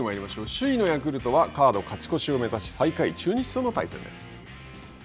首位のヤクルトは、カード勝ち越しを目指し、最下位中日との対戦です。